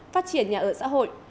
phát triển nhà ở xã hội